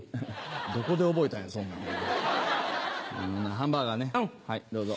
どこで覚えたんやそんなんハンバーガーねはいどうぞ。